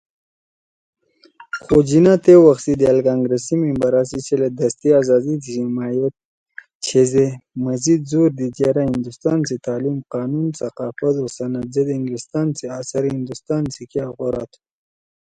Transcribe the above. خو جناح تے وخ سی دأل کانگرَسی ممبرا سی چھلے دستی آزادی سی حمایت چھیدے میزید زور دیِد یرأ ہندوستان سی تعلیم، قانون، ثقافت او صنعت زید انگلستان سی اثر ہندوستان سی کیا غورا تُھو